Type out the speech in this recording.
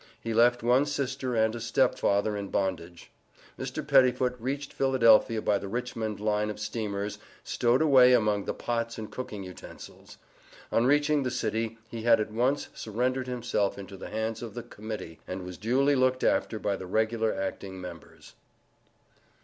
He left one sister and a step father in bondage. Mr. Pettifoot reached Philadelphia by the Richmond line of steamers, stowed away among the pots and cooking utensils. On reaching the city, he at once surrendered himself into the hands of the Committee, and was duly looked after by the regular acting members.